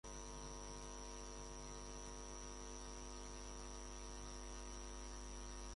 Esta canción fue interpretada en todo Texas y tuvo muy pobres comentarios.